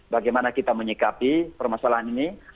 bagaimana kita menyikapi permasalahan ini